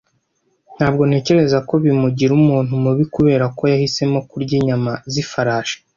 Ntabwo ntekereza ko bimugira umuntu mubi kubera ko yahisemo kurya inyama zifarashi.